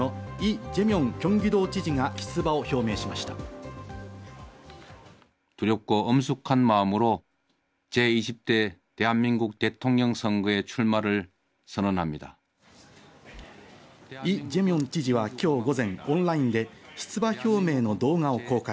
イ・ジェミョン知事は今日午前オンラインで出馬表明の動画を公開。